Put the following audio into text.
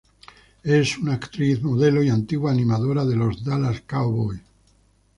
Es una actriz, modelo y antigua animadora de los Dallas Cowboys.